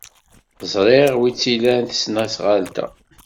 Ẓriɣ wi tt-ilan tesnasɣalt-a.